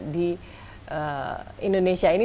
di indonesia ini